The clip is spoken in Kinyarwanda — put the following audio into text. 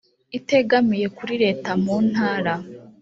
itegamiye kuri leta mu ntara